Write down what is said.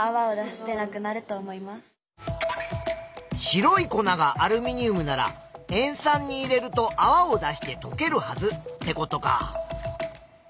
白い粉がアルミニウムなら塩酸に入れるとあわを出してとけるはずってことか。